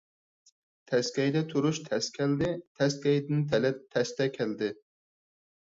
تەسكەيدە تۇرۇش تەس كەلدى، تەسكەيدىن تەلەت تەستە كەلدى.